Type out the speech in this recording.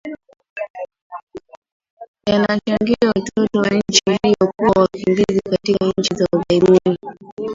yanachangia watoto wa nchi hiyo kuwa wakimbizi katika nchi za ughaibuni